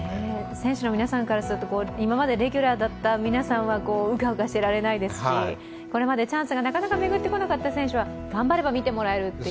選手の皆さんからすると今までレギュラーだった皆さんはうかうかしてられないですしこれまでチャンスが巡ってこなかった選手は頑張れば見てもらえるという。